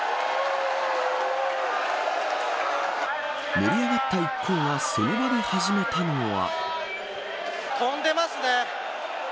盛り上がった一行がその場で始めたのは。